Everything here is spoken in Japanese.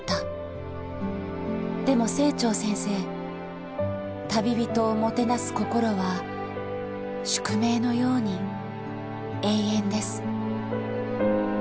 でも清張先生旅人をもてなす心は宿命のように永遠です。